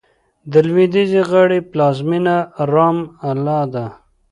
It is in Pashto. د لوېدیځې غاړې پلازمېنه رام الله ده.